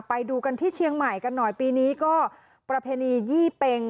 ไปดูกันที่เชียงใหม่กันหน่อยปีนี้ก็ประเพณียี่เป็ง